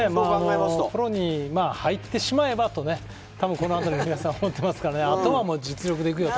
プロに入ってしまえばこのあと待っていますからあとは実力でいくよと。